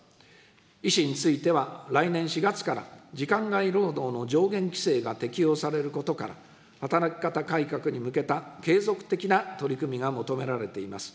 医師については、来年４月から時間外労働の上限規制が適用されることから、働き方改革に向けた継続的な取り組みが求められています。